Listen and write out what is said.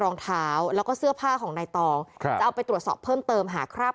รองเท้าแล้วก็เสื้อผ้าของนายตองครับจะเอาไปตรวจสอบเพิ่มเติมหาคราบ